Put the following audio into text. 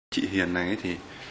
chị hiền này thì